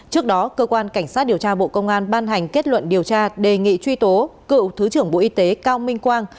trước đó cơ quan cảnh sát điều tra bộ công an ban hành kết luận điều tra đề nghị truy tố cựu thứ trưởng bộ y tế cao minh quang